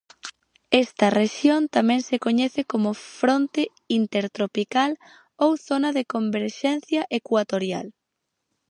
Esta rexión tamén se coñece como fronte intertropical ou zona de converxencia ecuatorial.